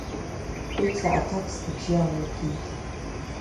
Кәица аҭакс лыбжьы аалыргеит…